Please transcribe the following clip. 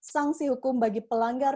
sangsi hukum bagi pelanggar